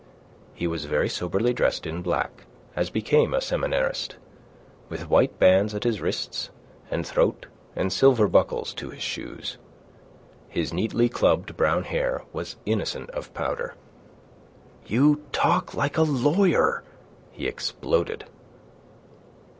He was very soberly dressed in black, as became a seminarist, with white bands at wrists and throat and silver buckles to his shoes. His neatly clubbed brown hair was innocent of powder. "You talk like a lawyer," he exploded.